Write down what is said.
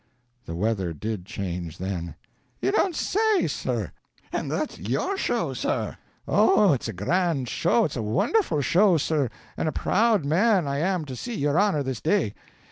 The weather did change then. "You don't say, sir! And that's your show, sir! Oh, it's a grand show, it's a wonderful show, sir, and a proud man I am to see your honor this day.